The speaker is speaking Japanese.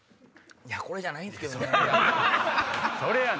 いやこれじゃないんすけどね。